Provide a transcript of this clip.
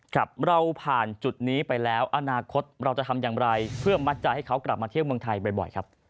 ครับเราผ่านจุดนี้ไปแล้วอนาคตเราจะทำอย่างไรเพื่อมัดใจให้เขากลับมาเที่ยวเมืองไทยบ่อยครับ